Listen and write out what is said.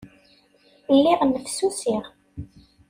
Lliɣ nnefsusiɣ.